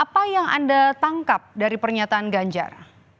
apa yang anda tangkap dari pernyataan ganjar